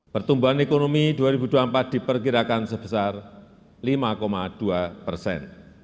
pertumbuhan ekonomi dua ribu dua puluh empat diperkirakan sebesar lima dua persen